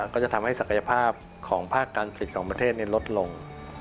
ก็จะทำให้ศักยภาพของภาคการผลิตของประเทศลดลง